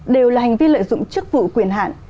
đều là hành vi lợi dụng chức vụ quyền hạn